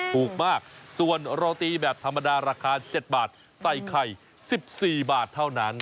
ถูกมากส่วนโรตีแบบธรรมดาราคา๗บาทใส่ไข่๑๔บาทเท่านั้น